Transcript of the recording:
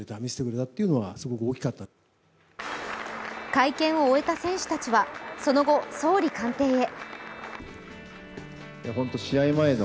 会見を終えた選手たちはその後、総理官邸へ。